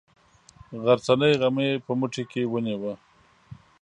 غرڅنۍ غمی په موټي کې ونیوه.